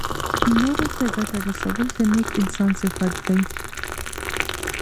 نورو ته ګټه رسول د نېک انسان صفت دی.